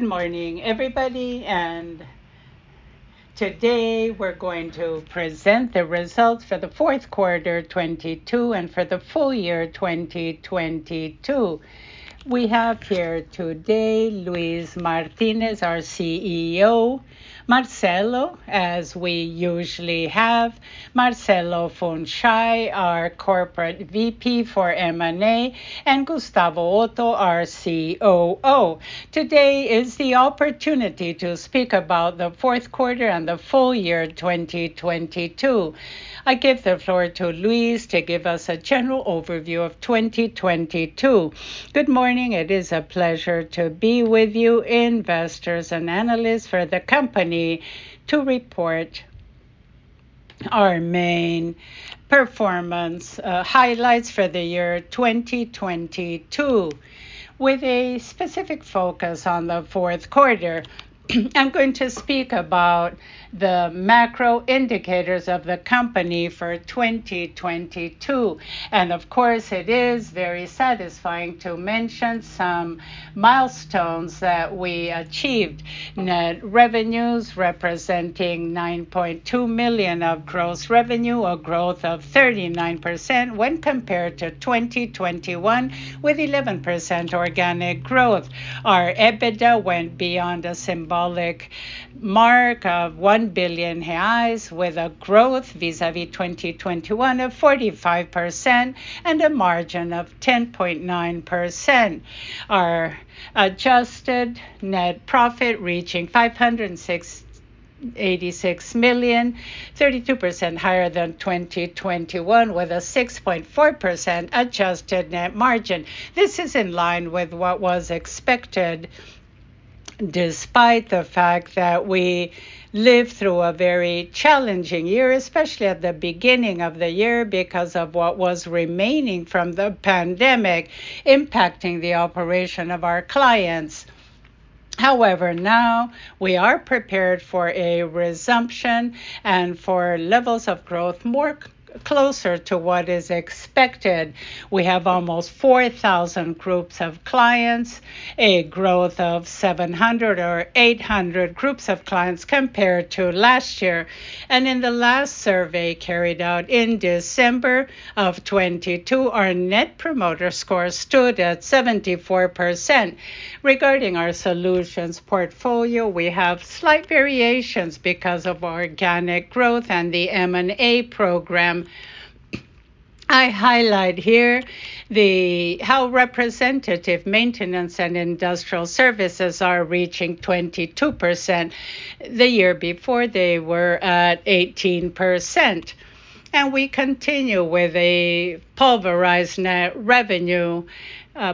Good morning, everybody. Today, we're going to present the results for the fourth quarter of 2022 and for the full year 2022. We have here today Luis Martinez, our CEO, Marcelo, as we usually have, Marcelo Funchal, our Corporate VP for M&A, and Gustavo Otto, our COO. Today is the opportunity to speak about the fourth quarter and the full year 2022. I give the floor to Luis to give us a general overview of 2022. Good morning. It is a pleasure to be with you, investors and analysts, for the company to report our main performance highlights for the year 2022, with a specific focus on the fourth quarter. I'm going to speak about the macro indicators of the company for 2022. Of course, it is very satisfying to mention some milestones that we achieved. Net revenues representing 9.2 million of gross revenue, a growth of 39% when compared to 2021, with 11% organic growth. Our EBITDA went beyond the symbolic mark of 1 billion reais with a growth vis-à-vis 2021 of 45% and a margin of 10.9%. Our adjusted net profit reached 586 million, 32% higher than in 2021, with a 6.4% adjusted net margin. This is in line with what was expected, despite the fact that we lived through a very challenging year, especially at the beginning of the year, because of what was remaining from the pandemic, impacting the operation of our clients. Now we are prepared for a resumption and for levels of growth closer to what is expected. We have almost 4,000 groups of clients, a growth of 700 or 800 groups of clients compared to last year. In the last survey carried out in December 2022, our Net Promoter Score stood at 74%. Regarding our solutions portfolio, we have slight variations because of organic growth and the M&A program. I highlight here how representative maintenance and industrial services are reaching 22%. The year before, they were at 18%. We continue with a pulverized net revenue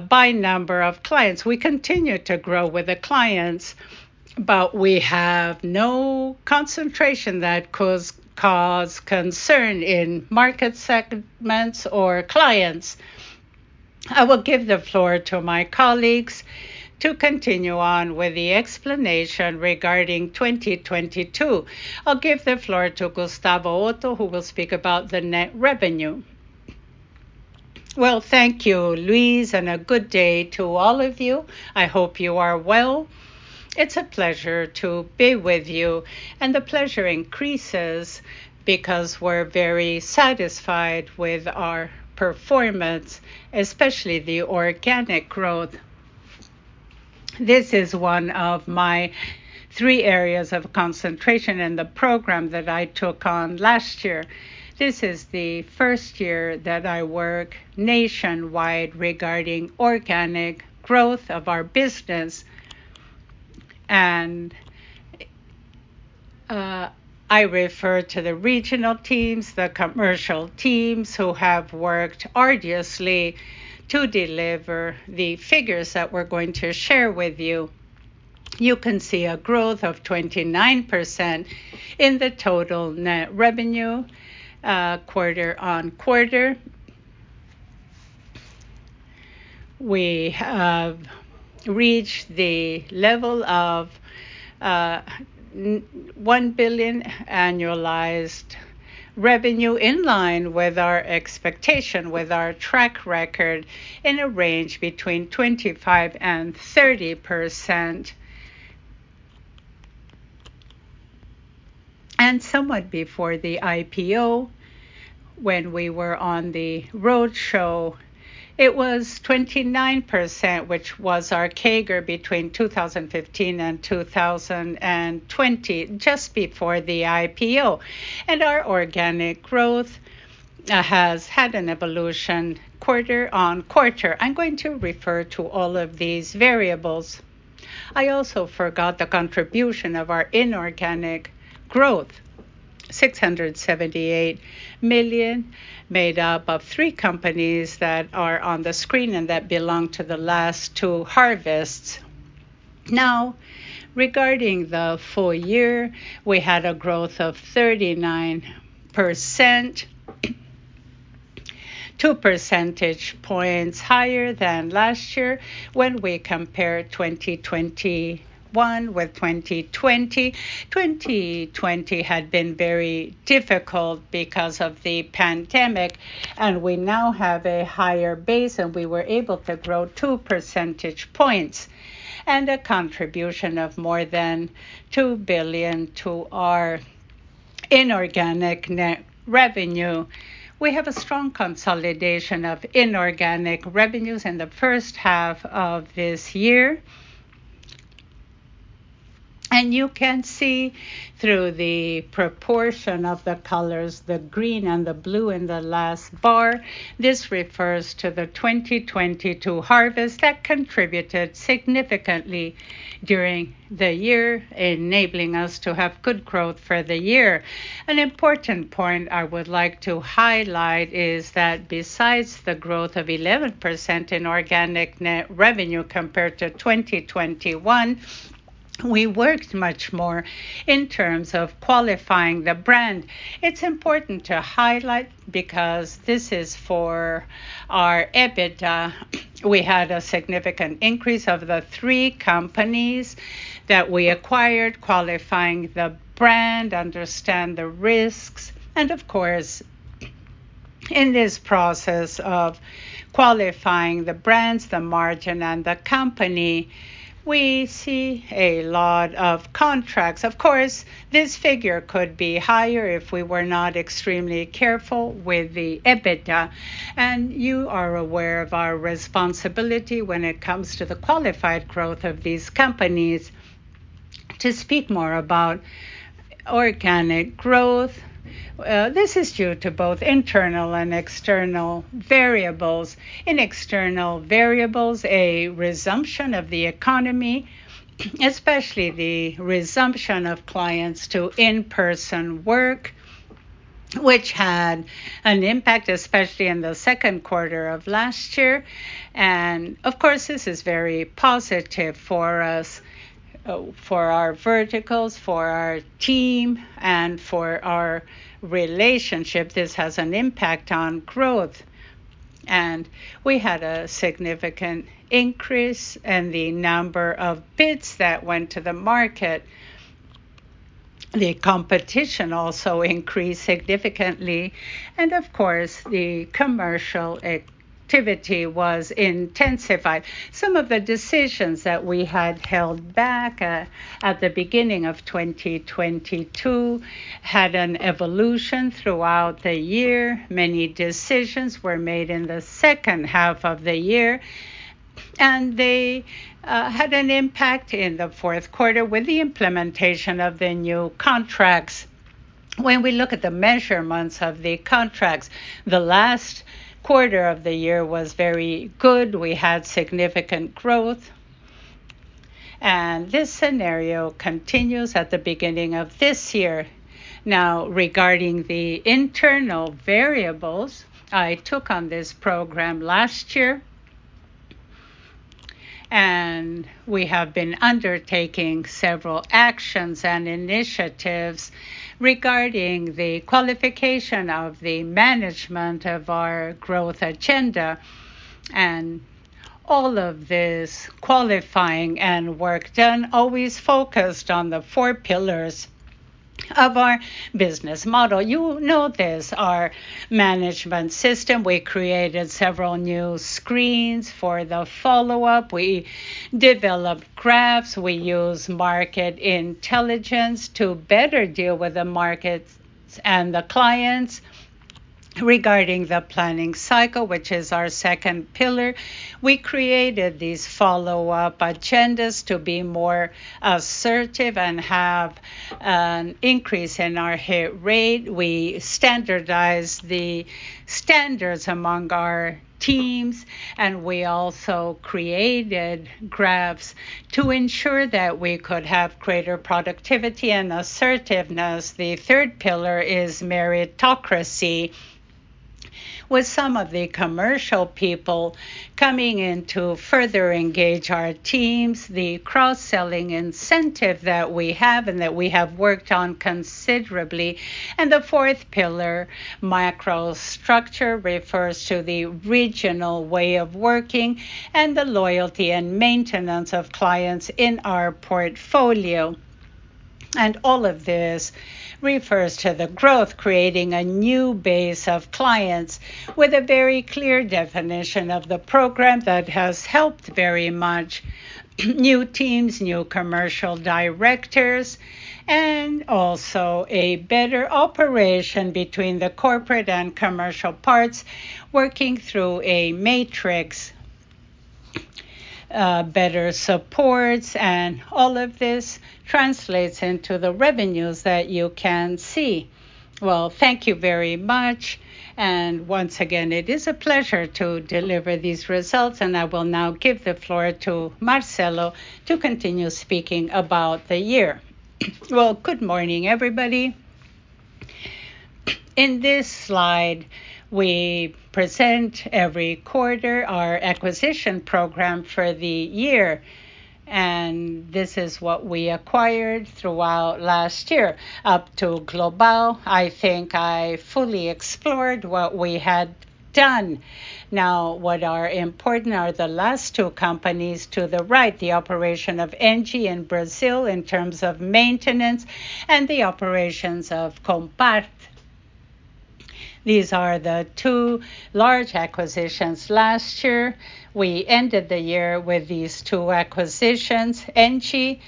by number of clients. We continue to grow with the clients, but we have no concentration that cause concern in market segments or clients. I will give the floor to my colleagues to continue on with the explanation regarding 2022. I'll give the floor to Gustavo Otto, who will speak about the net revenue. Well, thank you, Luis. A good day to all of you. I hope you are well. It's a pleasure to be with you. The pleasure increases because we're very satisfied with our performance, especially the organic growth. This is one of my three areas of concentration in the program that I took on last year. This is the first year that I work nationwide regarding organic growth of our business. I refer to the regional teams, the commercial teams who have worked arduously to deliver the figures that we're going to share with you. You can see a growth of 29% in the total net revenue quarter-over-quarter. We have reached the level of 1 billion annualized revenue in line with our expectation, with our track record in a range between 25% and 30%. Somewhat before the IPO, when we were on the roadshow, it was 29%, which was our CAGR between 2015 and 2020, just before the IPO. Our organic growth has had an evolution quarter-over-quarter. I'm going to refer to all of these variables. I also forgot the contribution of our inorganic growth, 678 million, made up of three companies that are on the screen and that belong to the last two harvests. Regarding the full year, we had a growth of 39%, two percentage points higher than last year when we compared 2021 with 2020. 2020 had been very difficult because of the pandemic. We now have a higher base, and we were able to grow two percentage points and a contribution of more than 2 billion to our inorganic net revenue. We have a strong consolidation of inorganic revenues in the first half of this year. You can see through the proportion of the colors, the green and the blue in the last bar, this refers to the 2022 harvest that contributed significantly during the year, enabling us to have good growth for the year. An important point I would like to highlight is that, besides the growth of 11% inorganic net revenue compared to 2021, we worked much more in terms of qualifying the brand. It's important to highlight because this is for our EBITDA. We had a significant increase of the three companies that we acquired, qualifying the brand, understand the risks. Of course, in this process of qualifying the brands, the margin, and the company, we see a lot of contracts. Of course, this figure could be higher if we were not extremely careful with the EBITDA. You are aware of our responsibility when it comes to the qualified growth of these companies. To speak more about organic growth, this is due to both internal and external variables. In external variables, a resumption of the economy, especially the resumption of clients to in-person work, which had an impact, especially in the second quarter of last year. Of course, this is very positive for us, for our verticals, for our team, and for our relationship. This has an impact on growth. We had a significant increase in the number of bids that went to the market. The competition also increased significantly, and of course, the commercial activity was intensified. Some of the decisions that we had held back at the beginning of 2022 had an evolution throughout the year. Many decisions were made in the second half of the year, and they had an impact in the fourth quarter with the implementation of the new contracts. When we look at the measurements of the contracts, the last quarter of the year was very good. We had significant growth, and this scenario continues at the beginning of this year. Regarding the internal variables, I took on this program last year, and we have been undertaking several actions and initiatives regarding the qualification of the management of our growth agenda. All of this qualifying and work done always focused on the four pillars of our business model. You know this, our management system. We created several new screens for the follow-up. We developed graphs. We use market intelligence to better deal with the markets and the clients. Regarding the planning cycle, which is our second pillar, we created these follow-up agendas to be more assertive and have an increase in our hit rate. We standardized the standards among our teams, and we also created graphs to ensure that we could have greater productivity and assertiveness. The third pillar is meritocracy, with some of the commercial people coming in to further engage our teams, the cross-selling incentive that we have and that we have worked on considerably. The fourth pillar, macro structure, refers to the regional way of working and the loyalty and maintenance of clients in our portfolio. All of this refers to the growth, creating a new base of clients with a very clear definition of the program that has helped very much new teams, new commercial directors, and also a better operation between the corporate and commercial parts working through a matrix, better supports, and all of this translates into the revenues that you can see. Well, thank you very much. Once again, it is a pleasure to deliver these results, and I will now give the floor to Marcelo to continue speaking about the year. Well, good morning, everybody. In this slide, we present every quarter our acquisition program for the year, and this is what we acquired throughout last year up to Global. I think I fully explored what we had done. What are important are the last two companies to the right, the operation of ENGIE in Brazil in terms of maintenance and the operations of Compart. These are the two large acquisitions last year. We ended the year with these two acquisitions. ENGIE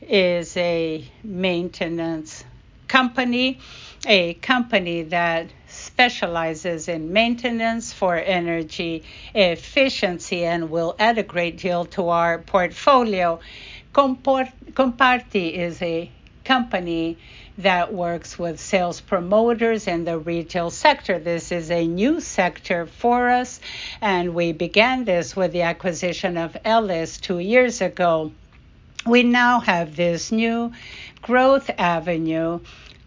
is a maintenance company, a company that specializes in maintenance for energy efficiency and will add a great deal to our portfolio. Compart is a company that works with sales promoters in the retail sector. This is a new sector for us, and we began this with the acquisition of Allis two years ago. We now have this new growth avenue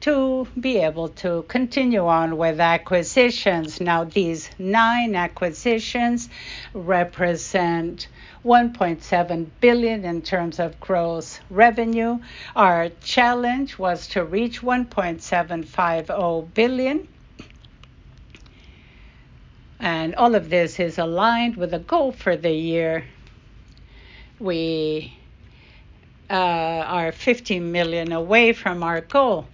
to be able to continue on with acquisitions. These nine acquisitions represent 1.7 billion in terms of gross revenue. Our challenge was to reach 1.750 billion. All of this is aligned with a goal for the year. We are 50 million away from our goal.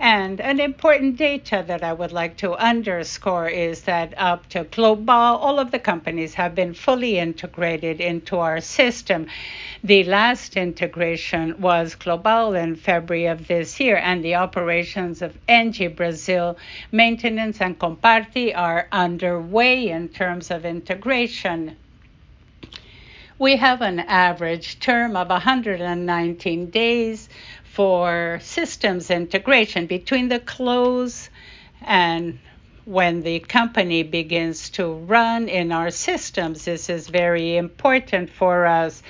An important data that I would like to underscore is that up to Global, all of the companies have been fully integrated into our system. The last integration was Global in February of this year, and the operations of ENGIE Brazil Maintenance and Compart are underway in terms of integration. We have an average term of 119 days for systems integration between the close and when the company begins to run in our systems. This is very important for us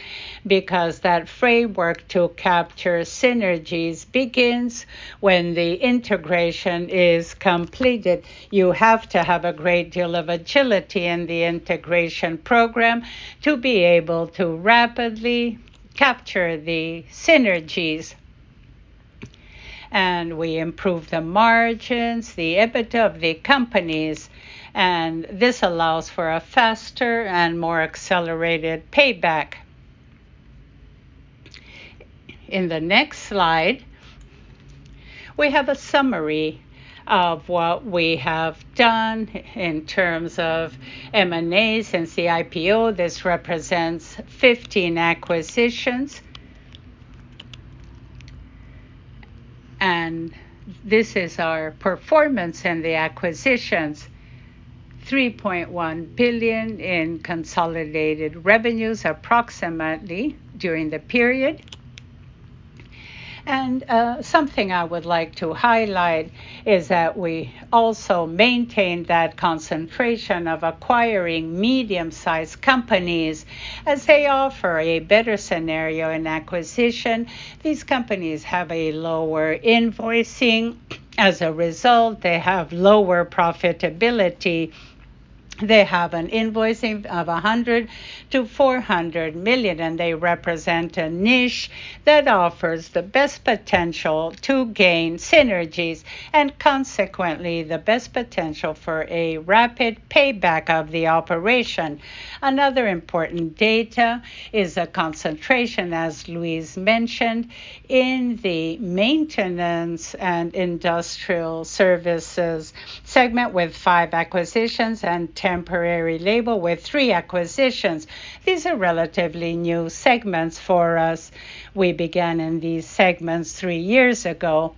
because the framework to capture synergies begins when the integration is completed. You have to have a great deal of agility in the integration program to be able to rapidly capture the synergies. We improve the margins, the EBITDA of the companies, and this allows for a faster and more accelerated payback. In the next slide, we have a summary of what we have done in terms of M&As since the IPO. This represents 15 acquisitions. This is our performance in the acquisitions, 3.1 billion in consolidated revenues, approximately, during the period. Something I would like to highlight is that we also maintained that concentration of acquiring medium-sized companies, as they offer a better scenario in acquisition. These companies have lower invoicing. As a result, they have lower profitability. They have an invoicing of 100 million-400 million, and they represent a niche that offers the best potential to gain synergies and consequently the best potential for a rapid payback of the operation. Another important data is the concentration, as Luis mentioned, in the maintenance and industrial services segment with five acquisitions and temporary labor with three acquisitions. These are relatively new segments for us. We began in these segments three years ago,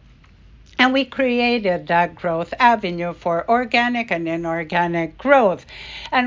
we created that growth avenue for organic and inorganic growth.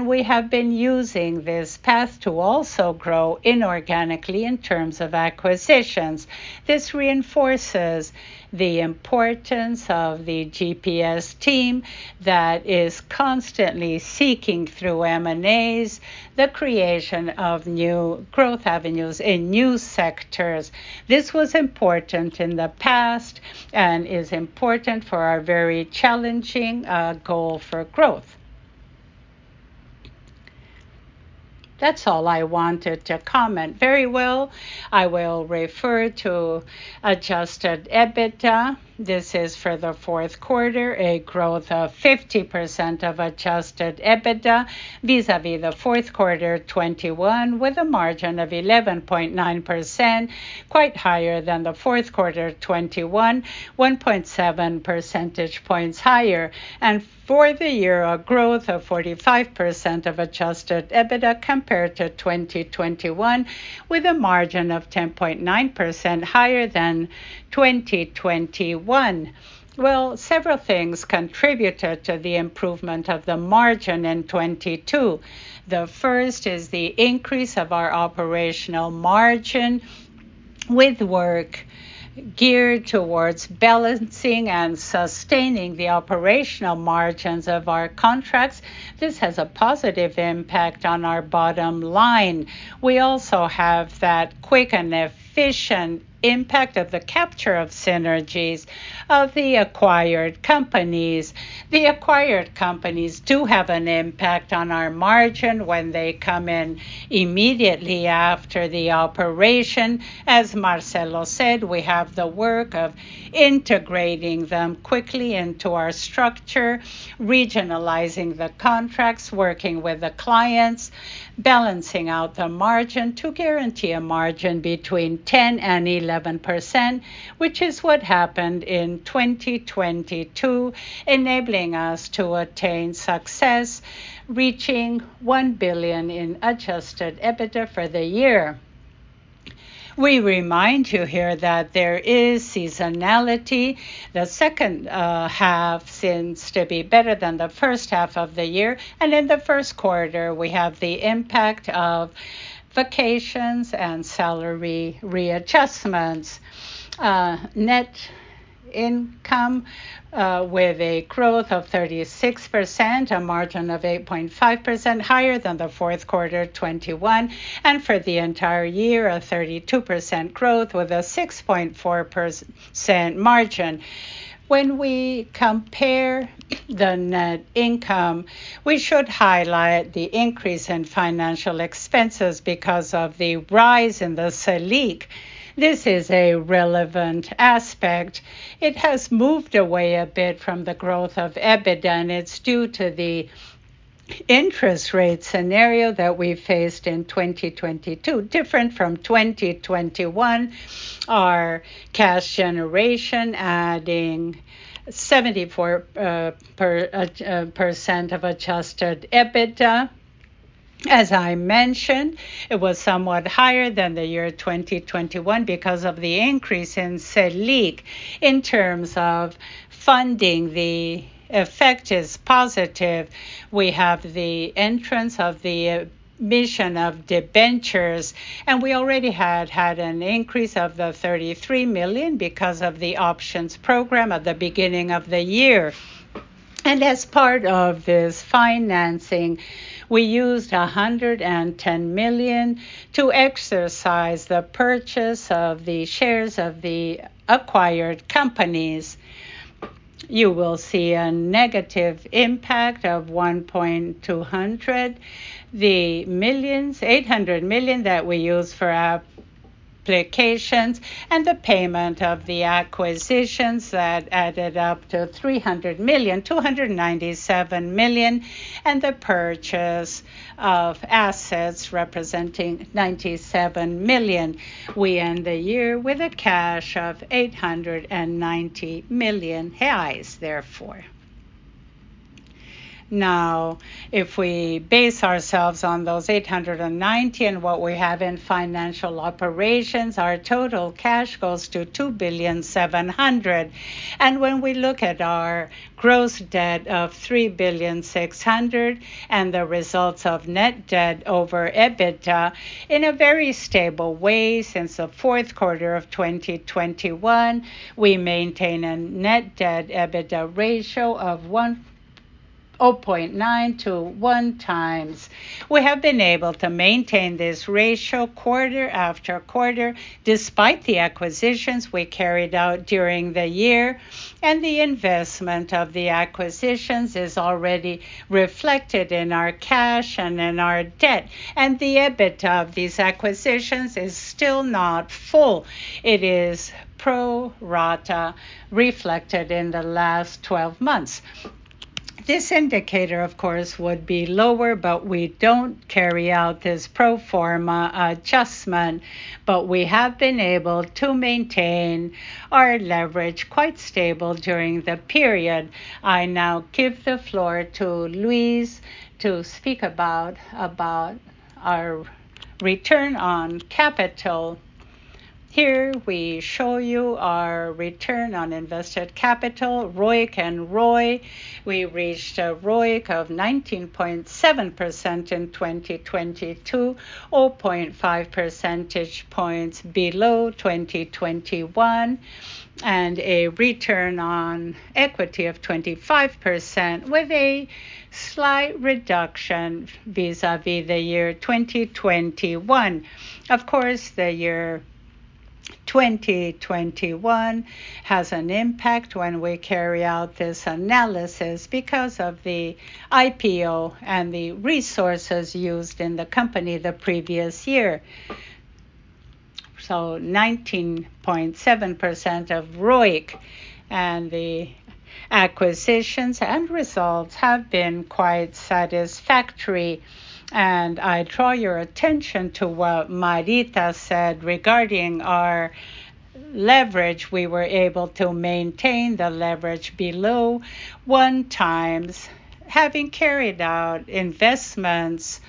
We have been using this path to also grow inorganically in terms of acquisitions. This reinforces the importance of the GPS team that is constantly seeking through M&As the creation of new growth avenues in new sectors. This was important in the past and is important for our very challenging goal for growth. That's all I wanted to comment. Very well. I will refer to Adjusted EBITDA. This is for the fourth quarter, a growth of 50% of Adjusted EBITDA vis-à-vis the fourth quarter 2021, with a margin of 11.9%, quite higher than the fourth quarter 2021, 1.7 percentage points higher. For the year, a growth of 45% of Adjusted EBITDA compared to 2021, with a margin of 10.9% higher than 2021. Well, several things contributed to the improvement of the margin in 2022. The first is the increase of our operational margin with work geared towards balancing and sustaining the operational margins of our contracts. This has a positive impact on our bottom line. We also have that quick and efficient impact of the capture of synergies of the acquired companies. The acquired companies do have an impact on our margin when they come in immediately after the operation. As Marcelo said, we have the work of integrating them quickly into our structure, regionalizing the contracts, working with the clients. Balancing out the margin to guarantee a margin between 10% and 11%, which is what happened in 2022, enabling us to attain success, reaching 1 billion in Adjusted EBITDA for the year. We remind you here that there is seasonality. The second half seems to be better than the first half of the year. In the first quarter, we have the impact of vacations and salary readjustments. Net income, with a growth of 36%, a margin of 8.5% higher than the fourth quarter 2021. For the entire year, a 32% growth with a 6.4% margin. When we compare the net income, we should highlight the increase in financial expenses because of the rise in the Selic. This is a relevant aspect. It has moved away a bit from the growth of EBITDA, and it's due to the interest rate scenario that we faced in 2022, different from 2021. Our cash generation adding 74% of Adjusted EBITDA. As I mentioned, it was somewhat higher than the year 2021 because of the increase in Selic. In terms of funding, the effect is positive. We have the entrance of the emission of debentures, and we already had had an increase of the 33 million because of the options program at the beginning of the year. As part of this financing, we used 110 million to exercise the purchase of the shares of the acquired companies. You will see a negative impact of 1,200. The millions, 800 million that we used for applications and the payment of the acquisitions that added up to 300 million, 297 million and the purchase of assets representing 97 million. We end the year with a cash of 890 million reais, therefore. Now, if we base ourselves on those 890 and what we have in financial operations, our total cash goes to 2.7 billion. When we look at our gross debt of 3.6 billion and the results of net debt over EBITDA in a very stable way since the 4th quarter of 2021, we maintain a net debt EBITDA ratio of 0.9x to 1x. We have been able to maintain this ratio quarter after quarter despite the acquisitions we carried out during the year and the investment of the acquisitions is already reflected in our cash and in our debt. The EBITDA of these acquisitions is still not full. It is pro rata reflected in the last 12 months. This indicator, of course, would be lower, but we don't carry out this pro forma adjustment. We have been able to maintain our leverage quite stable during the period. I now give the floor to Luis to speak about our return on capital. Here we show you our return on invested capital, ROIC and ROE. We reached a ROIC of 19.7% in 2022, 0.5 percentage points below 2021, and a return on equity of 25% with a slight reduction vis-à-vis the year 2021. Of course, the year 2021 has an impact when we carry out this analysis because of the IPO and the resources used in the company the previous year. 19.7% of ROIC and the acquisitions and results have been quite satisfactory. I draw your attention to what Marita said regarding our leverage. We were able to maintain the leverage below 1x, having carried out investments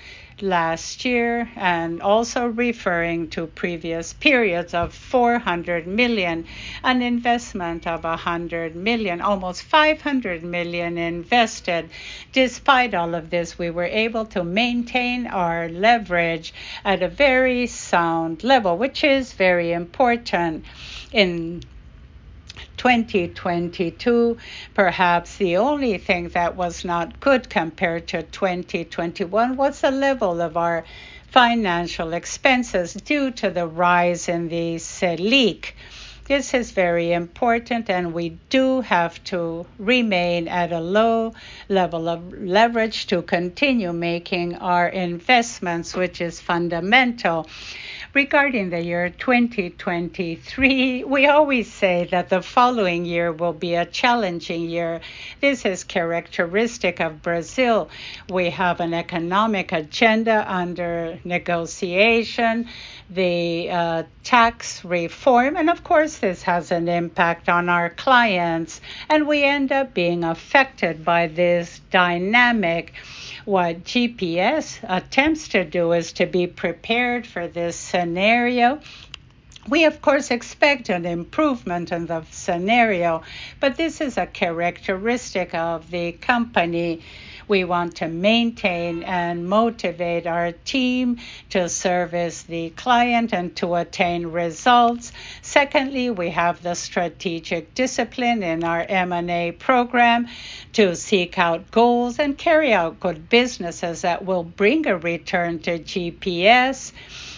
last year and also referring to previous periods of 400 million, an investment of 100 million, almost 500 million invested. Despite all of this, we were able to maintain our leverage at a very sound level, which is very important. In 2022, perhaps the only thing that was not good compared to 2021 was the level of our financial expenses due to the rise in the Selic. This is very important. We do have to remain at a low level of leverage to continue making our investments, which is fundamental. Regarding the year 2023, we always say that the following year will be a challenging year. This is characteristic of Brazil. We have an economic agenda under negotiation, the tax reform, and of course, this has an impact on our clients, and we end up being affected by this dynamic. What GPS attempts to do is to be prepared for this scenario. We of course expect an improvement in the scenario, but this is a characteristic of the company. We want to maintain and motivate our team to service the client and to attain results. Secondly, we have the strategic discipline in our M&A program to seek out goals and carry out good businesses that will bring a return to GPS.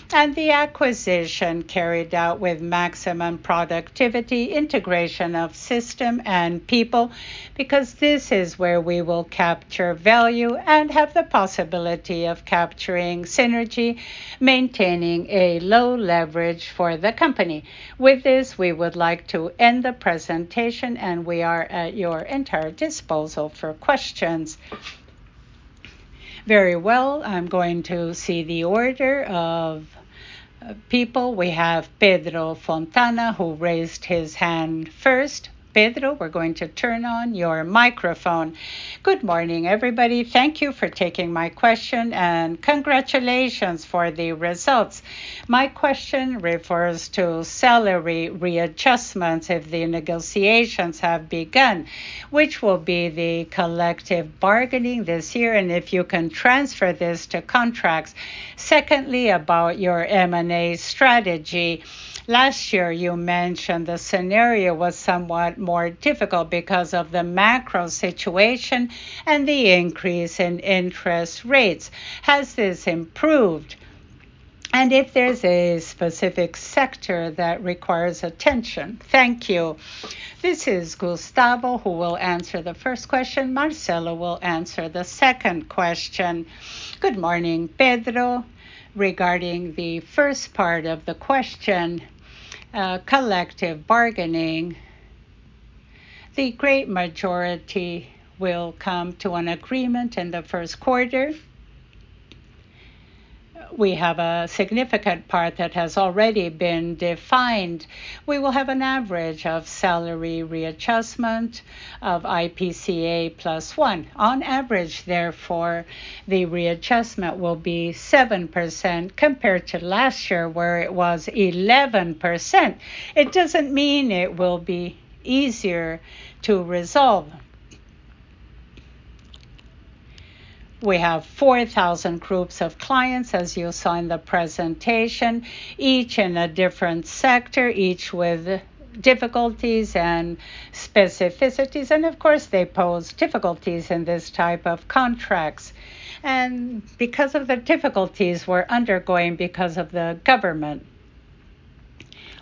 The acquisition carried out with maximum productivity, integration of system and people, because this is where we will capture value and have the possibility of capturing synergy, maintaining a low leverage for the company. With this, we would like to end the presentation, and we are at your entire disposal for questions. Very well. I'm going to see the order of people. We have Pedro Fontana who raised his hand first. Pedro, we're going to turn on your microphone. Good morning, everybody. Thank you for taking my question, and congratulations for the results. My question refers to salary readjustments, if the negotiations have begun, which will be the collective bargaining this year, and if you can transfer this to contracts. Secondly, about your M&A strategy. Last year you mentioned the scenario was somewhat more difficult because of the macro situation and the increase in interest rates. Has this improved? If there's a specific sector that requires attention. Thank you. This is Gustavo who will answer the first question. Marcelo will answer the second question. Good morning, Pedro. Regarding the first part of the question, collective bargaining, the great majority will come to an agreement in the first quarter. We have a significant part that has already been defined. We will have an average of salary readjustment of IPCA plus one. On average, therefore, the readjustment will be 7% compared to last year, where it was 11%. It doesn't mean it will be easier to resolve. We have 4,000 groups of clients, as you saw in the presentation, each in a different sector, each with difficulties and specificities, and of course, they pose difficulties in this type of contract. Because of the difficulties we're undergoing because of the government,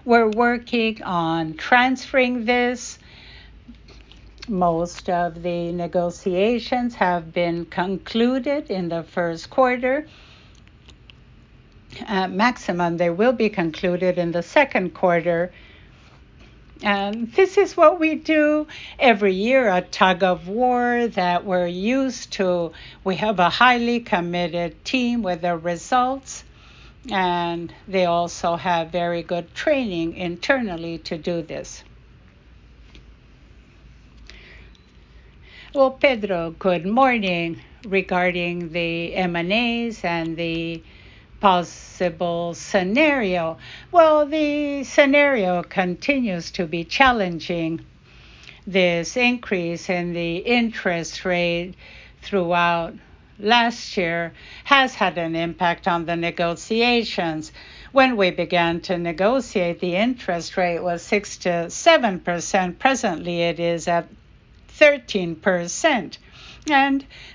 we're working on transferring this. Most of the negotiations have been concluded in the first quarter. At maximum, they will be concluded in the second quarter. This is what we do every year, a tug-of-war that we're used to. We have a highly committed team with the results, and they also have very good training internally to do this. Well, Pedro, good morning. Regarding the M&As and the possible scenario. Well, the scenario continues to be challenging. This increase in the interest rate throughout last year has had an impact on the negotiations. When we began to negotiate, the interest rate was 6%-7%. Presently, it is at 13%.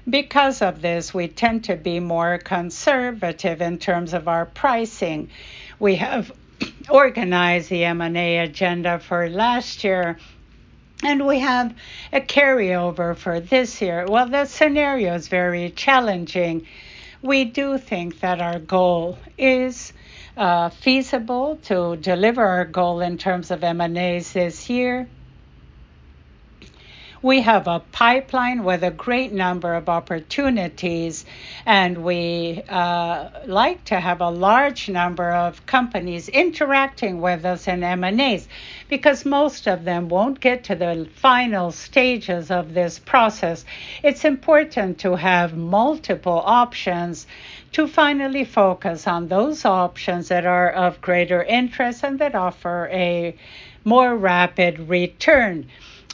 Because of this, we tend to be more conservative in terms of our pricing. We have organized the M&A agenda for last year, and we have a carryover for this year. While the scenario is very challenging, we do think that our goal is feasible to deliver our goal in terms of M&As this year. We have a pipeline with a great number of opportunities, and we like to have a large number of companies interacting with us in M&As. Most of them won't get to the final stages of this process, it's important to have multiple options to finally focus on those options that are of greater interest and that offer a more rapid return.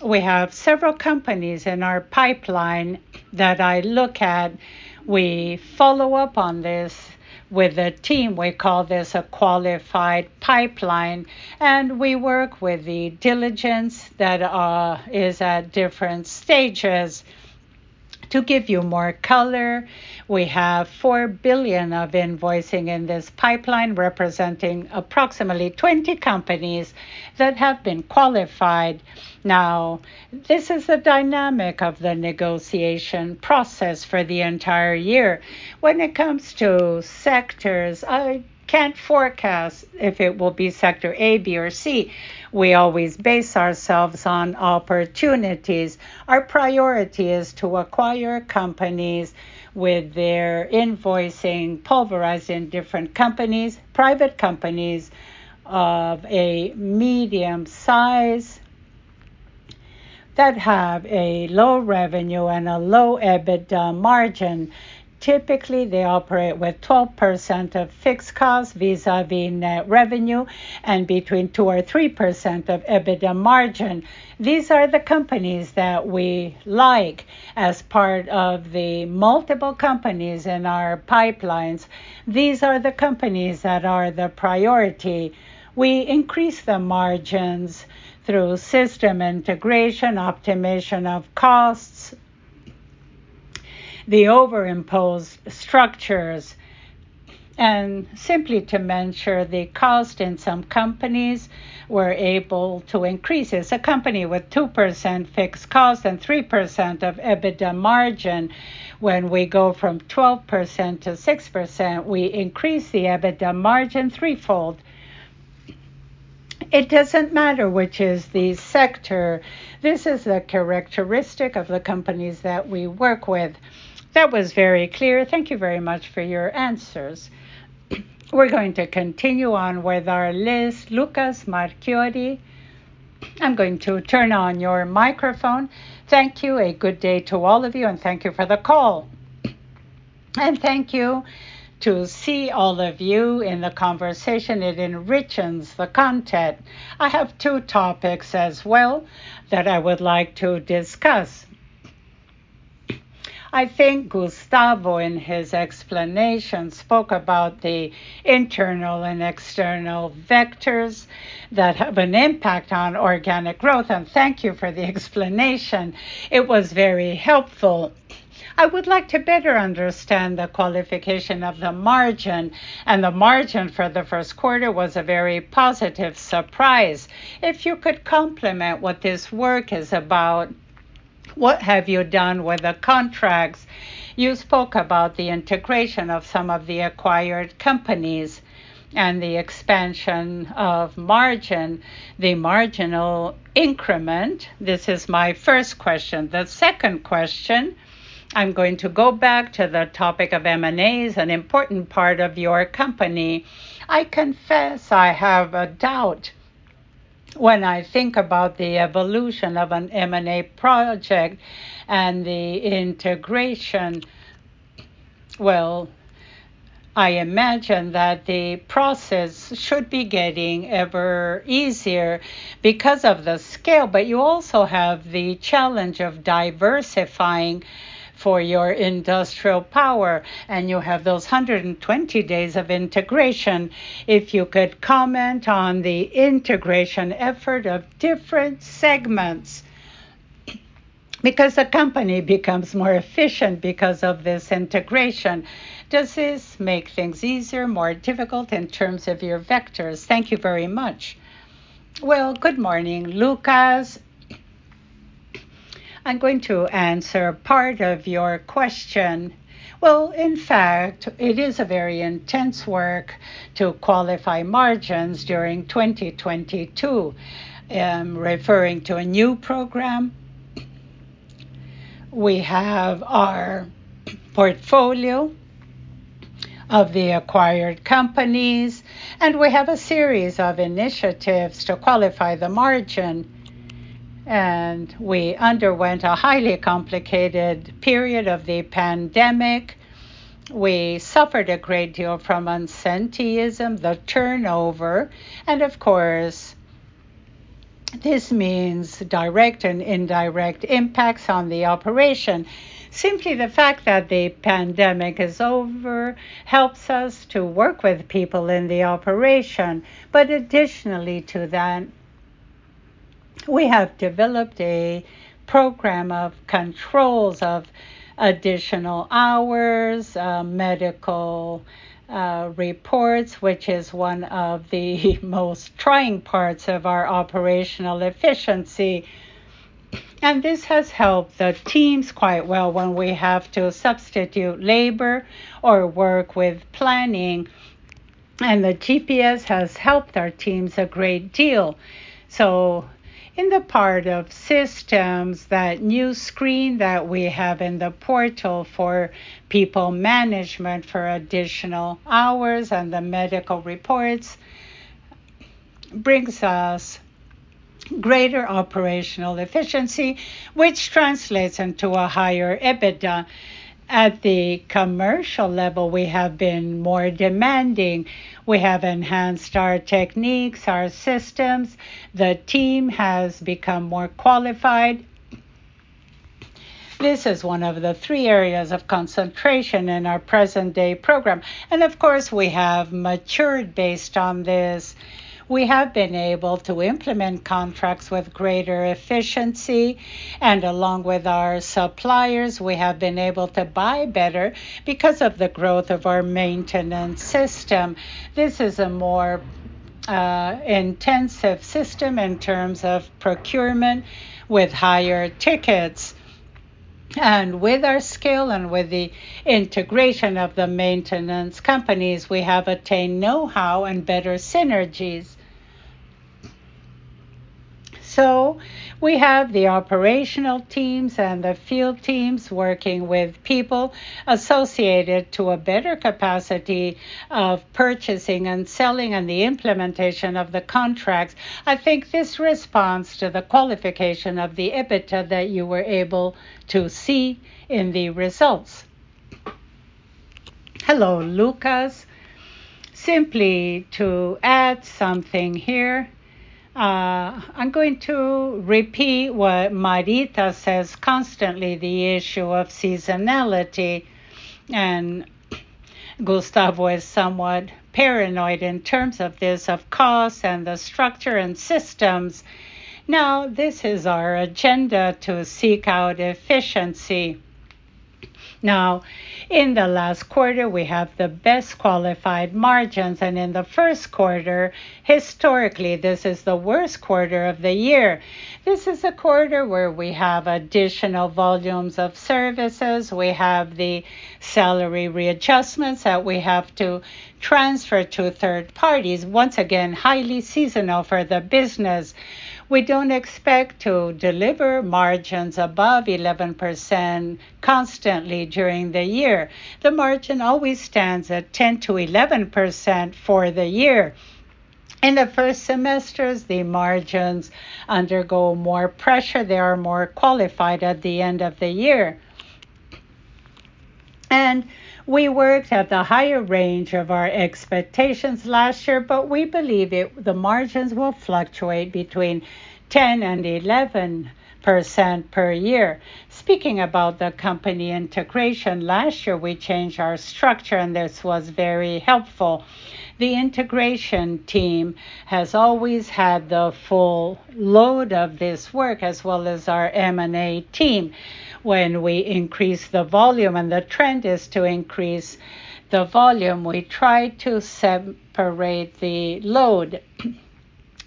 We have several companies in our pipeline that I look at. We follow up on this with a team. We call this a qualified pipeline, and we work with the diligence that is at different stages. To give you more color, we have 4 billion of invoicing in this pipeline representing approximately 20 companies that have been qualified. This is the dynamic of the negotiation process for the entire year. When it comes to sectors, I can't forecast if it will be sector A, B, or C. We always base ourselves on opportunities. Our priority is to acquire companies with their invoicing pulverized in different companies, private companies of a medium size, that have a low revenue and a low EBITDA margin. Typically, they operate with 12% of fixed costs vis-à-vis net revenue and between 2% or 3% of EBITDA margin. These are the companies that we like as part of the multiple companies in our pipelines. These are the companies that are the priority. We increase the margins through system integration, optimization of costs, the over-imposed structures, and simply to ensure the cost in some companies, we're able to increase this. A company with 2% fixed cost and 3% of EBITDA margin, when we go from 12% to 6%, we increase the EBITDA margin threefold. It doesn't matter which is the sector. This is the characteristic of the companies that we work with. That was very clear. Thank you very much for your answers. We're going to continue on with our list. Lucas Marchiori, I'm going to turn on your microphone. Thank you. A good day to all of you, thank you for the call. Thank you to see all of you in the conversation. It enriches the content. I have two topics as well that I would like to discuss. I think Gustavo, in his explanation, spoke about the internal and external vectors that have an impact on organic growth. Thank you for the explanation. It was very helpful. I would like to better understand the qualification of the margin. The margin for the first quarter was a very positive surprise. If you could complement what this work is about, what have you done with the contracts? You spoke about the integration of some of the acquired companies and the expansion of margin, the marginal increment. This is my first question. The second question, I'm going to go back to the topic of M&As, an important part of your company. I confess I have a doubt when I think about the evolution of an M&A project and the integration. Well, I imagine that the process should be getting ever easier because of the scale, but you also have the challenge of diversifying for your industrial power, and you have those 120 days of integration. If you could comment on the integration effort of different segments. The company becomes more efficient because of this integration, does this make things easier, more difficult in terms of your vectors? Thank you very much. Good morning, Lucas. I'm going to answer part of your question. In fact, it is a very intense work to qualify margins during 2022, referring to a new program. We have our portfolio of the acquired companies, and we have a series of initiatives to qualify the margin. We underwent a highly complicated period of the pandemic. We suffered a great deal from absenteeism, the turnover, and of course, this means direct and indirect impacts on the operation. Simply the fact that the pandemic is over helps us to work with people in the operation. Additionally to that, we have developed a program of controls of additional hours, medical reports, which is one of the most trying parts of our operational efficiency. This has helped the teams quite well when we have to substitute labor or work with planning. The GPS has helped our teams a great deal. In the part of systems, that new screen that we have in the portal for people management for additional hours and the medical reports brings us greater operational efficiency, which translates into a higher EBITDA. At the commercial level, we have been more demanding. We have enhanced our techniques, our systems. The team has become more qualified. This is one of the three areas of concentration in our present-day program. Of course, we have matured based on this. We have been able to implement contracts with greater efficiency. Along with our suppliers, we have been able to buy better because of the growth of our maintenance system. This is a more intensive system in terms of procurement with higher tickets. With our scale and with the integration of the maintenance companies, we have attained know-how and better synergies. We have the operational teams and the field teams working with people associated to a better capacity of purchasing and selling and the implementation of the contracts. I think this responds to the qualification of the EBITDA that you were able to see in the results. Hello, Lucas. Simply to add something here. I'm going to repeat what Marita says constantly, the issue of seasonality, and Gustavo is somewhat paranoid in terms of this, of costs and the structure and systems. Now, this is our agenda to seek out efficiency. In the last quarter, we have the best qualified margins. In the 1st quarter, historically, this is the worst quarter of the year. This is a quarter where we have additional volumes of services. We have the salary readjustments that we have to transfer to third parties. Once again, highly seasonal for the business. We don't expect to deliver margins above 11% constantly during the year. The margin always stands at 10%-11% for the year. In the 1st semesters, the margins undergo more pressure. They are more qualified at the end of the year. We worked at the higher range of our expectations last year, but we believe the margins will fluctuate between 10% and 11% per year. Speaking about the company integration, last year, we changed our structure. This was very helpful. The integration team has always had the full load of this work, as well as our M&A team. When we increase the volume, and the trend is to increase the volume, we try to separate the load.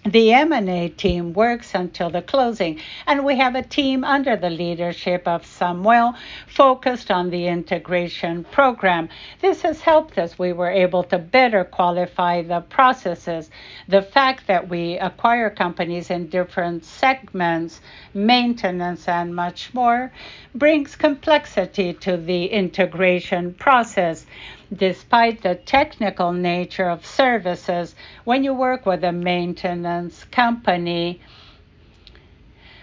The M&A team works until the closing, and we have a team under the leadership of Samuel focused on the integration program. This has helped, as we were able to better qualify the processes. The fact that we acquire companies in different segments, maintenance and much more, brings complexity to the integration process. Despite the technical nature of services, when you work with a maintenance company,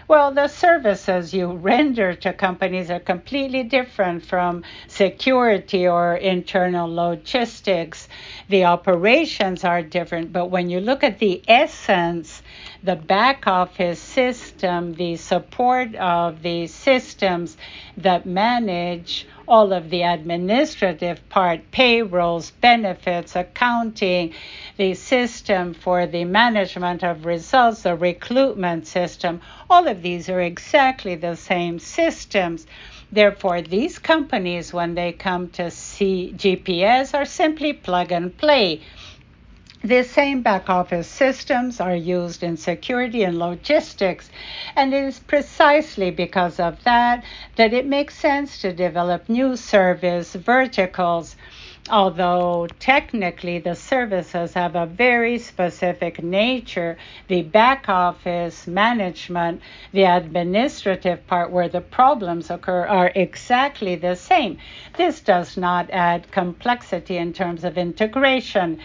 well, the services you render to companies are completely different from security or internal logistics. The operations are different. When you look at the essence, the back-office system, the support of the systems that manage all of the administrative part, payrolls, benefits, accounting, the system for the management of results, the recruitment system, all of these are exactly the same systems. Therefore, these companies, when they come to see GPS, are simply plug and play. The same back-office systems are used in security and logistics, and it is precisely because of that it makes sense to develop new service verticals. Although technically, the services have a very specific nature, the back-office management, the administrative part where the problems occur are exactly the same. This does not add complexity in terms of integration.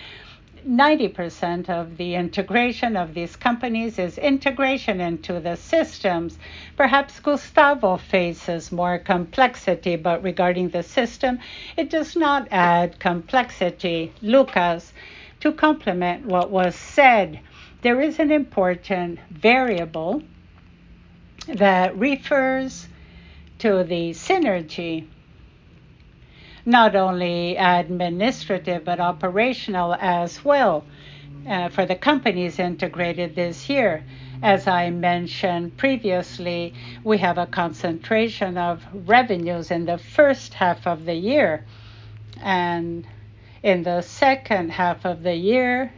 90% of the integration of these companies is integration into the systems. Perhaps Gustavo faces more complexity, but regarding the system, it does not add complexity. Lucas, to complement what was said, there is an important variable that refers to the synergy, not only administrative, but operational as well, for the companies integrated this year. As I mentioned previously, we have a concentration of revenues in the first half of the year. In the second half of the year,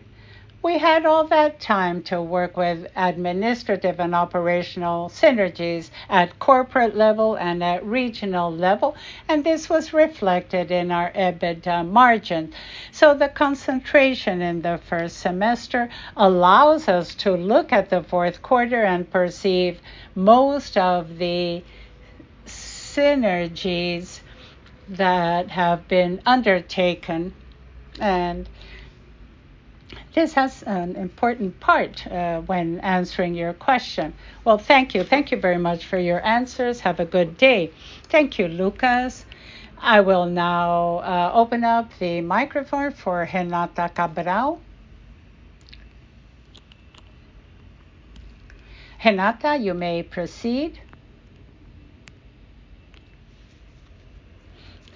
we had all that time to work with administrative and operational synergies at corporate level and at regional level, and this was reflected in our EBITDA margin. The concentration in the first semester allows us to look at the fourth quarter and perceive most of the synergies that have been undertaken. This has an important part when answering your question. Well, thank you. Thank you very much for your answers. Have a good day. Thank you, Lucas. I will now open up the microphone for Renata Cabral. Renata, you may proceed.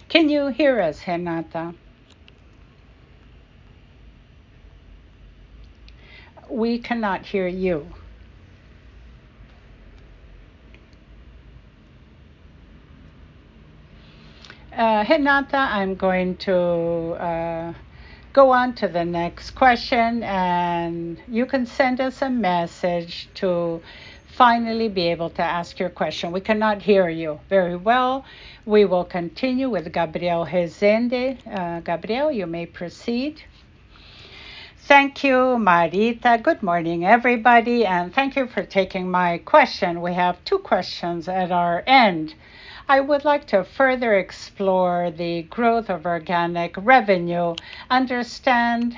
Can you hear us, Renata? We cannot hear you. Renata, I'm going to go on to the next question, and you can send us a message to finally be able to ask your question. We cannot hear you very well. We will continue with Gabriel Rezende. Gabriel, you may proceed. Thank you, Marita. Good morning, everybody, and thank you for taking my question. We have two questions at our end. I would like to further explore the growth of organic revenue, understand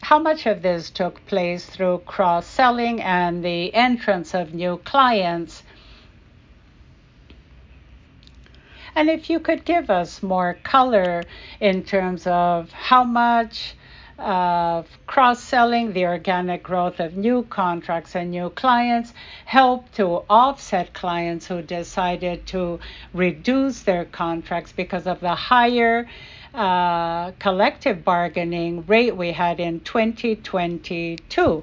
how much of this took place through cross-selling and the entrance of new clients. If you could give us more color in terms of how much cross-selling, the organic growth of new contracts and new clients helped to offset clients who decided to reduce their contracts because of the higher collective bargaining rate we had in 2022.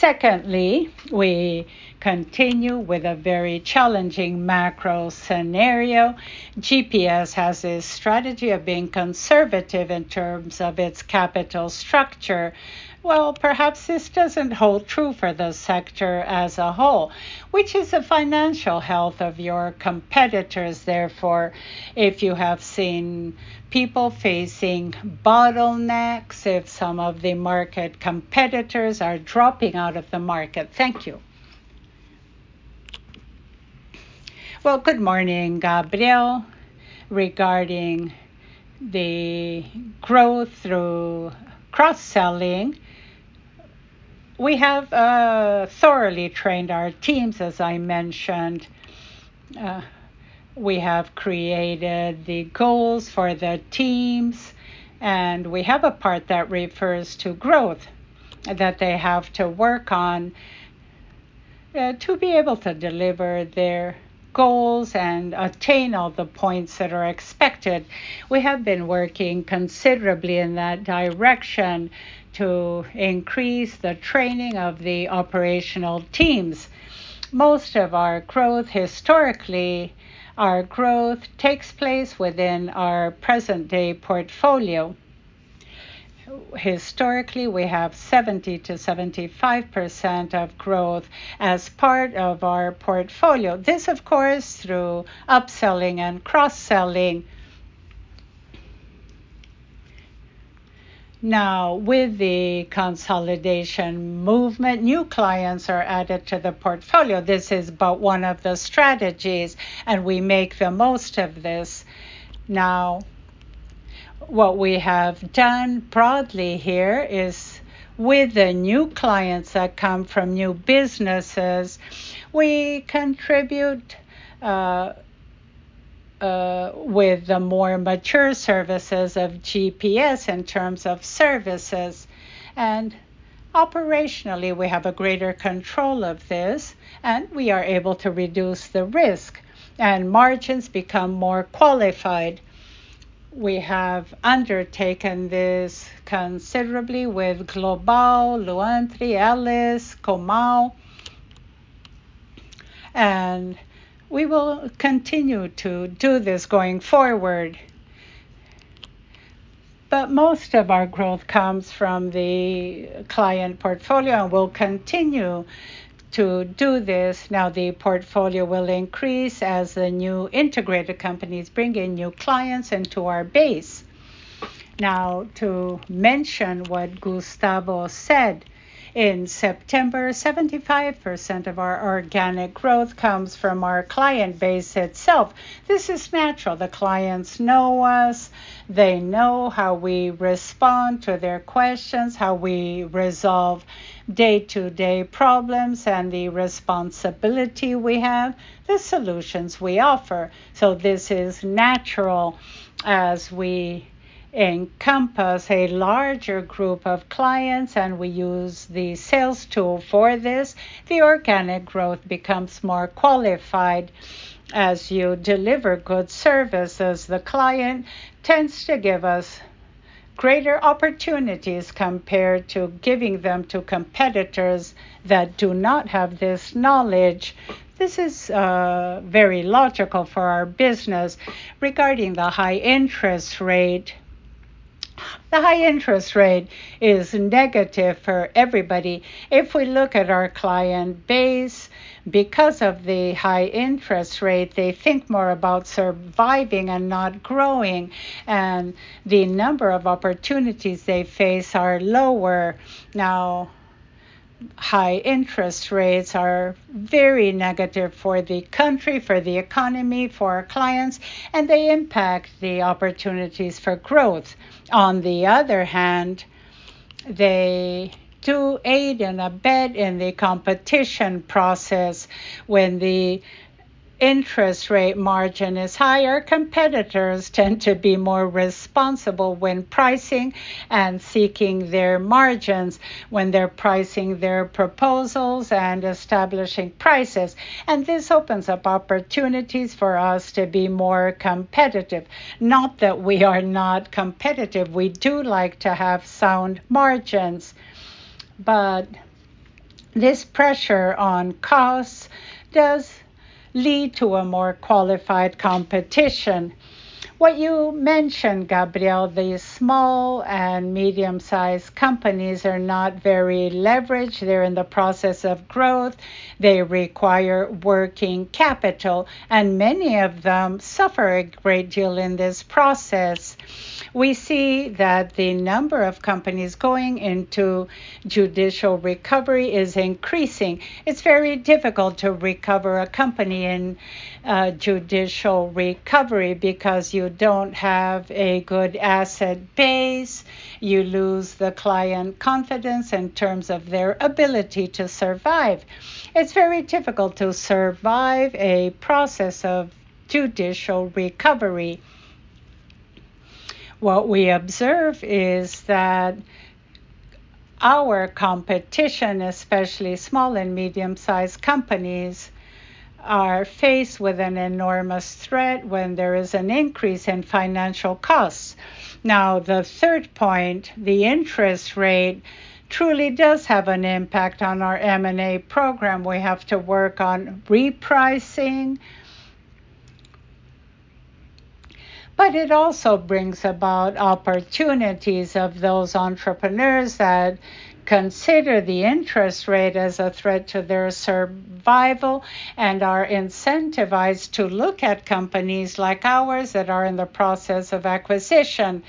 Secondly, we continue with a very challenging macro scenario. GPS has a strategy of being conservative in terms of its capital structure. Well, perhaps this doesn't hold true for the sector as a whole, which is the financial health of your competitors, therefore, if you have seen people facing bottlenecks, if some of the market competitors are dropping out of the market. Thank you. Well, good morning, Gabriel. Regarding the growth through cross-selling, we have thoroughly trained our teams, as I mentioned. We have created the goals for the teams, and we have a part that refers to growth that they have to work on to be able to deliver their goals and attain all the points that are expected. We have been working considerably in that direction to increase the training of the operational teams. Most of our growth historically our growth takes place within our present-day portfolio. Historically, we have 70% to 75% of growth as part of our portfolio. This, of course, through upselling and cross-selling. With the consolidation movement, new clients are added to the portfolio. This is but one of the strategies, and we make the most of this. What we have done broadly here is with the new clients that come from new businesses, we contribute with the more mature services of GPS in terms of services. Operationally, we have greater control of this, and we are able to reduce the risk and margins become more qualified. We have undertaken this considerably with Global Service, Luandre, Allis, and Comau. We will continue to do this going forward. Most of our growth comes from the client portfolio and we'll continue to do this. The portfolio will increase as the new integrated companies bring in new clients into our base. To mention what Gustavo Otto said, in September, 75% of our organic growth comes from our client base itself. This is natural. The clients know us. They know how we respond to their questions, how we resolve day-to-day problems, and the responsibility we have, the solutions we offer. This is natural as we encompass a larger group of clients, and we use the sales tool for this. The organic growth becomes more qualified as you deliver good services. The client tends to give us greater opportunities compared to giving them to competitors that do not have this knowledge. This is very logical for our business. Regarding the high interest rate, the high interest rate is negative for everybody. We look at our client base, because of the high interest rate, they think more about surviving and not growing, and the number of opportunities they face are lower. High interest rates are very negative for the country, for the economy, for our clients, and they impact the opportunities for growth. On the other hand, they do aid and abet in the competition process. When the interest rate margin is higher, competitors tend to be more responsible when pricing and seeking their margins, when they're pricing their proposals and establishing prices. This opens up opportunities for us to be more competitive. Not that we are not competitive. We do like to have sound margins. This pressure on costs does lead to a more qualified competition. What you mentioned, Gabriel, the small and medium-sized companies are not very leveraged. They're in the process of growth. They require working capital, and many of them suffer a great deal in this process. We see that the number of companies going into judicial recovery is increasing. It's very difficult to recover a company in judicial recovery because you don't have a good asset base. You lose the client confidence in terms of their ability to survive. It's very difficult to survive a process of judicial recovery. What we observe is that our competition, especially small and medium-sized companies, are faced with an enormous threat when there is an increase in financial costs. The third point, the interest rate truly does have an impact on our M&A program. We have to work on repricing. It also brings about opportunities of those entrepreneurs that consider the interest rate as a threat to their survival and are incentivized to look at companies like ours that are in the process of acquisition.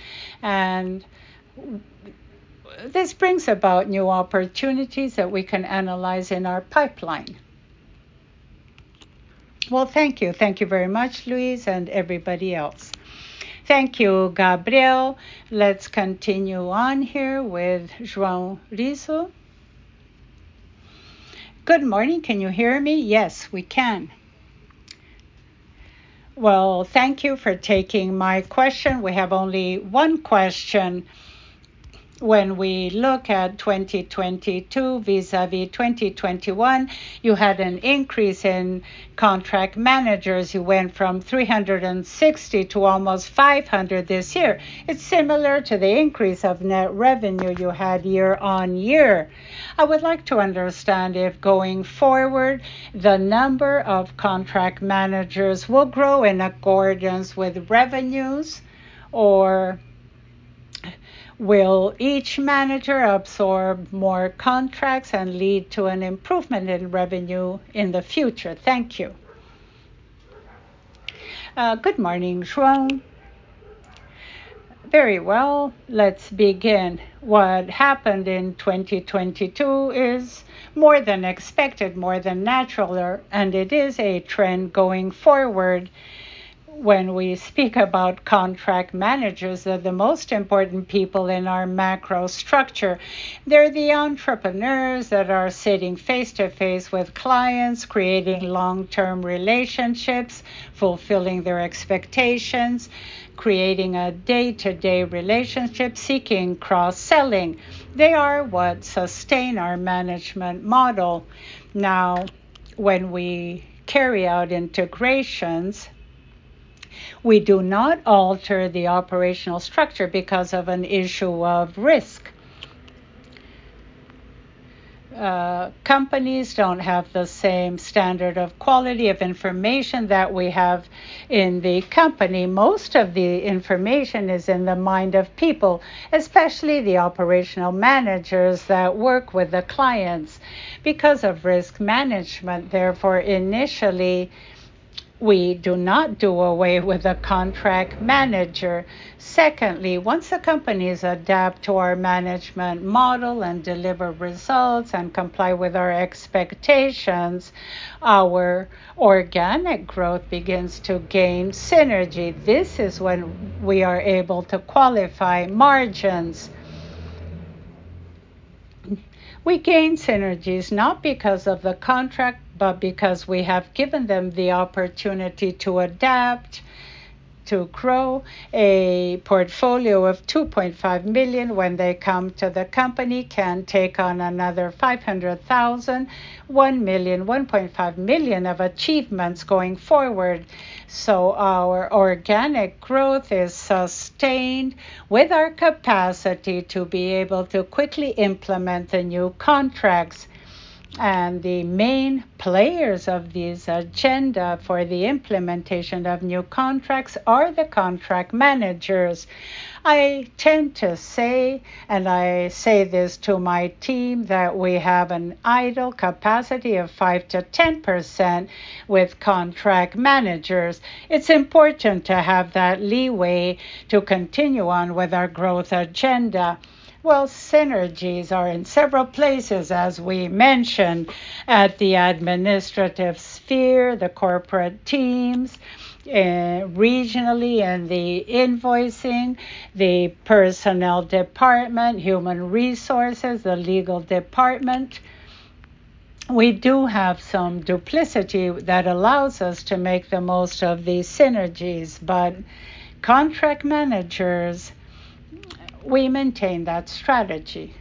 This brings about new opportunities that we can analyze in our pipeline. Well, thank you. Thank you very much, Luis, and everybody else. Thank you, Gabriel. Let's continue on here with João Riso. Good morning. Can you hear me? Yes, we can. Well, thank you for taking my question. We have only one question. When we look at 2022 vis-à-vis 2021, you had an increase in contract managers. You went from 360 to almost 500 this year. It's similar to the increase of net revenue you had year-over-year. I would like to understand if going forward, the number of contract managers will grow in accordance with revenues, or will each manager absorb more contracts and lead to an improvement in revenue in the future? Thank you. Good morning, João. Very well. Let's begin. What happened in 2022 is more than expected, more than natural, and it is a trend going forward. When we speak about contract managers, they're the most important people in our macro structure. They're the entrepreneurs that are sitting face to face with clients, creating long-term relationships, fulfilling their expectations, creating a day-to-day relationship, seeking cross-selling. They are what sustain our management model. When we carry out integrations, we do not alter the operational structure because of a issue of risk. Companies don't have the same standard of quality of information that we have in the company. Most of the information is in the mind of people, especially the operational managers that work with the clients because of risk management. Therefore, initially, we do not do away with a contract manager. Secondly, once the companies adapt to our management model and deliver results and comply with our expectations, our organic growth begins to gain synergy. This is when we are able to qualify margins. We gain synergies not because of the contract, but because we have given them the opportunity to adapt, to grow a portfolio of 2.5 million when they come to the company, can take on another 500,000, 1 million, 1.5 million of achievements going forward. Our organic growth is sustained with our capacity to be able to quickly implement the new contracts. The main players of this agenda for the implementation of new contracts are the contract managers. I tend to say, and I say this to my team, that we have an idle capacity of 5%-10% with contract managers. It's important to have that leeway to continue on with our growth agenda. Synergies are in several places, as we mentioned, at the administrative sphere, the corporate teams, regionally and the invoicing, the personnel department, human resources, the legal department. We do have some duplicity that allows us to make the most of these synergies. Contract managers, we maintain that strategy.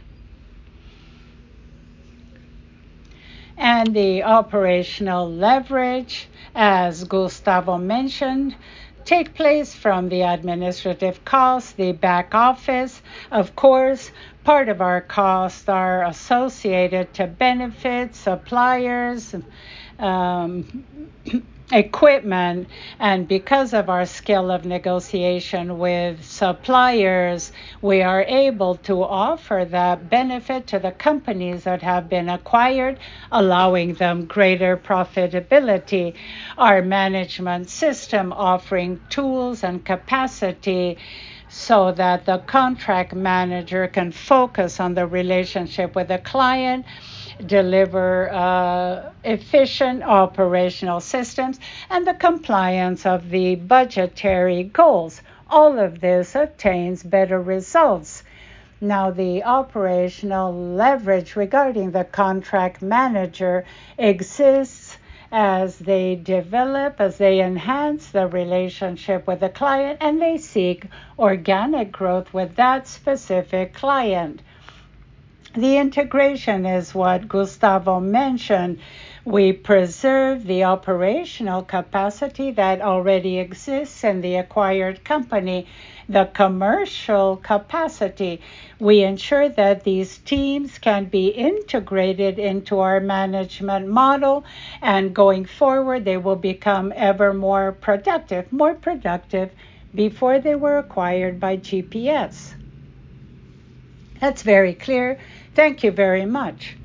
The operational leverage, as Gustavo mentioned, take place from the administrative costs, the back office. Of course, part of our costs are associated to benefits, suppliers, and equipment. Because of our skill of negotiation with suppliers, we are able to offer the benefit to the companies that have been acquired, allowing them greater profitability. Our management system offering tools and capacity so that the contract manager can focus on the relationship with the client, deliver efficient operational systems, and the compliance of the budgetary goals. All of this obtains better results. Now, the operational leverage regarding the contract manager exists as they develop, as they enhance the relationship with the client, and they seek organic growth with that specific client. The integration is what Gustavo mentioned. We preserve the operational capacity that already exists in the acquired company, the commercial capacity. We ensure that these teams can be integrated into our management model, and going forward, they will become ever more productive, more productive before they were acquired by GPS. That's very clear. Thank you very much.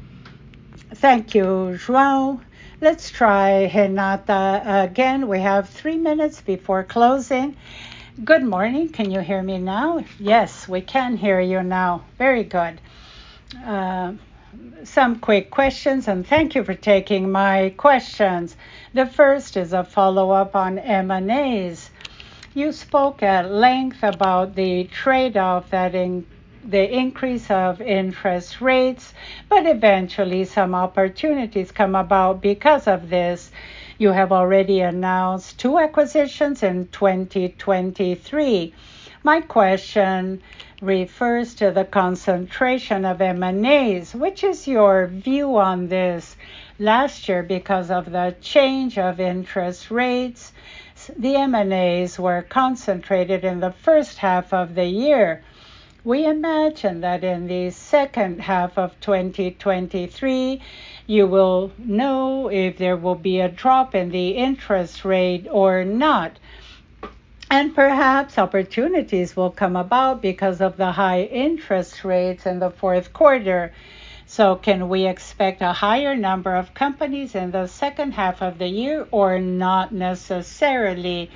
Thank you, João. Let's try Renata again. We have three minutes before closing. Good morning. Can you hear me now? Yes, we can hear you now. Very good. Some quick questions. Thank you for taking my questions. The first is a follow-up on M&As. You spoke at length about the trade-off that the increase of interest rates. Eventually, some opportunities come about because of this. You have already announced two acquisitions in 2023. My question refers to the concentration of M&As. Which is your view on this? Last year, because of the change of interest rates, the M&As were concentrated in the first half of the year. We imagine that in the second half of 2023, you will know if there will be a drop in the interest rate or not. Perhaps opportunities will come about because of the high interest rates in the fourth quarter. Can we expect a higher number of companies in the second half of the year, or not necessarily?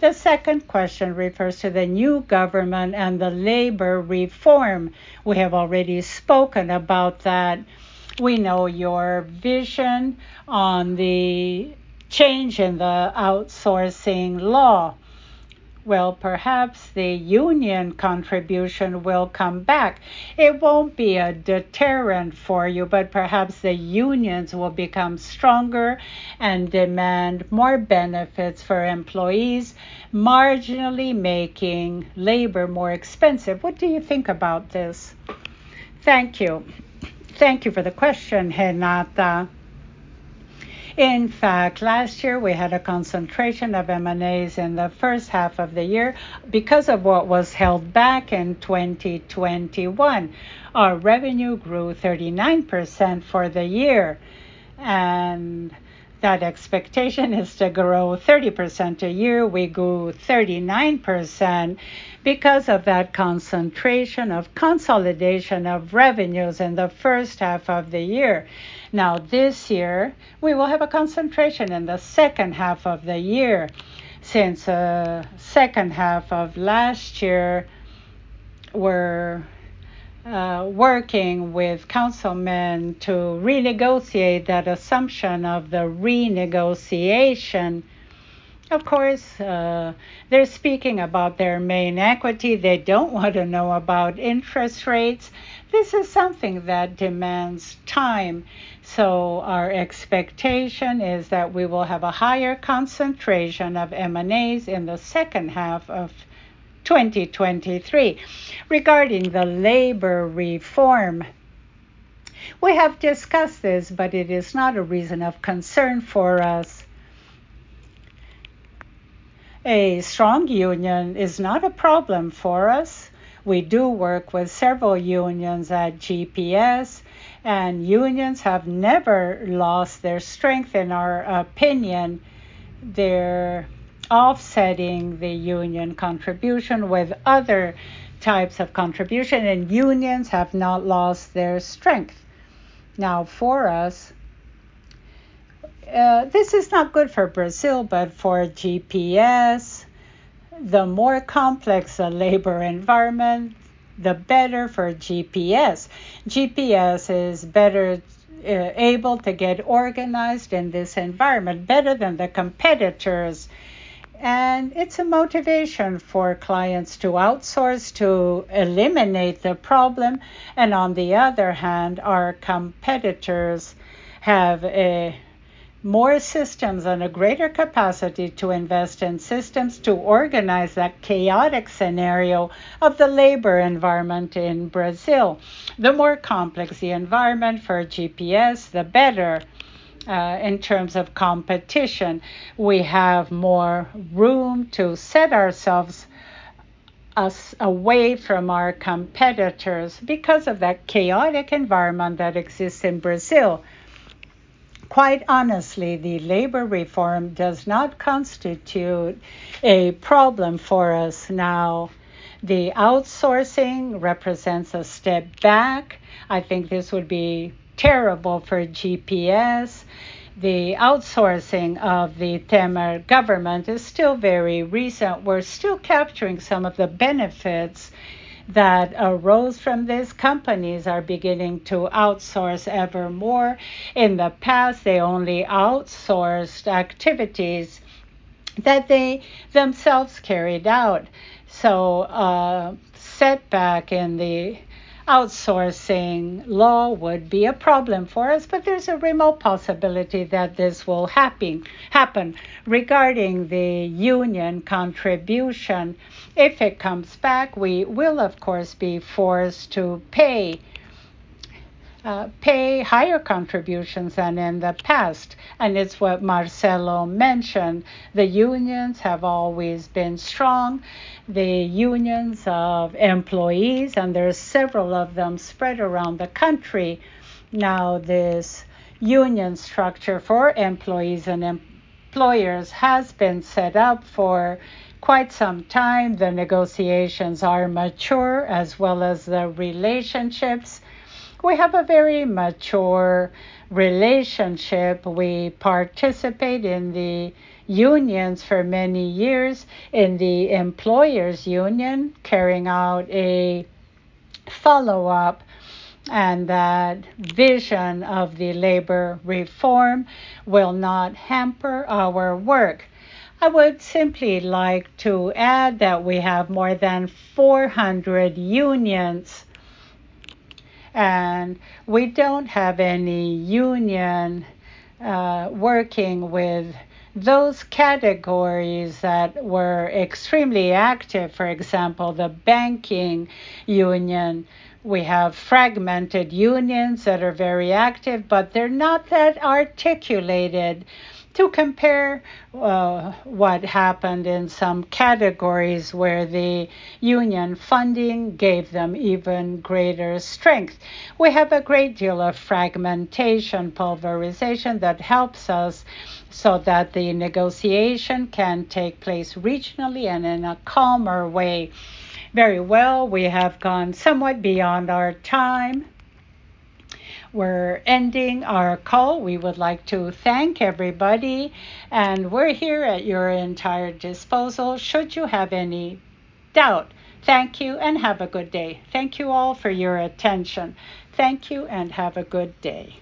The second question refers to the new government and the labor reform. We have already spoken about that. We know your vision on the change in the outsourcing law. Well, perhaps the union contribution will come back. It won't be a deterrent for you, but perhaps the unions will become stronger and demand more benefits for employees, marginally making labor more expensive. What do you think about this? Thank you. Thank you for the question, Renata. In fact, last year we had a concentration of M&As in the first half of the year because of what was held back in 2021. Our revenue grew 39% for the year. That expectation is to grow 30% a year. We grew 39% because of that concentration of consolidation of revenues in the first half of the year. This year, we will have a concentration in the second half of the year. Since the second half of last year, we're working with councilmen to renegotiate that assumption of the renegotiation. They're speaking about their main equity. They don't want to know about interest rates. This is something that demands time. Our expectation is that we will have a higher concentration of M&As in the second half of 2023. Regarding the Labor Reform, we have discussed this, but it is not a reason of concern for us. A strong union is not a problem for us. We do work with several unions at GPS. Unions have never lost their strength in our opinion. They're offsetting the union contribution with other types of contribution. Unions have not lost their strength. For us, this is not good for Brazil, but for GPS, the more complex a labor environment, the better for GPS. GPS is better able to get organized in this environment, better than the competitors. It's a motivation for clients to outsource to eliminate the problem. On the other hand, our competitors have more systems and a greater capacity to invest in systems to organize that chaotic scenario of the labor environment in Brazil. The more complex the environment for GPS, the better in terms of competition. We have more room to set ourselves away from our competitors because of that chaotic environment that exists in Brazil. Quite honestly, the labor reform does not constitute a problem for us now. The outsourcing represents a step back. I think this would be terrible for GPS. The outsourcing of the Temer government is still very recent. We're still capturing some of the benefits that arose from this. Companies are beginning to outsource ever more. In the past, they only outsourced activities that they themselves carried out. A setback in the outsourcing law would be a problem for us, but there's a remote possibility that this will happen. Regarding the union contribution, if it comes back, we will, of course, be forced to pay higher contributions than in the past. It's what Marcelo mentioned, the unions have always been strong. The unions of employees, and there are several of them spread around the country. This union structure for employees and employers has been set up for quite some time. The negotiations are mature as well as the relationships. We have a very mature relationship. We participate in the unions for many years, in the employers union, carrying out a follow-up, that vision of the labor reform will not hamper our work. I would simply like to add that we have more than 400 unions, we don't have any union working with those categories that were extremely active. For example, the banking union. We have fragmented unions that are very active, they're not that articulated to compare what happened in some categories where the union funding gave them even greater strength. We have a great deal of fragmentation, pulverization that helps us so that the negotiation can take place regionally and in a calmer way. Very well. We have gone somewhat beyond our time. We're ending our call. We would like to thank everybody, and we're here at your entire disposal should you have any doubt. Thank you and have a good day. Thank you all for your attention. Thank you and have a good day.